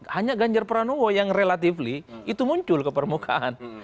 hanya ganjar pranowo yang relatively itu muncul ke permukaan